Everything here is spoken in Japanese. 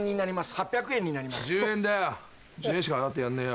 １０円だよ！